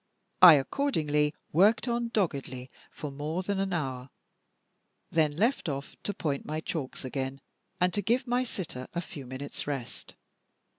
I accordingly worked on doggedly for more than an hour then left off to point my chalks again, and to give my sitter a few minutes' rest.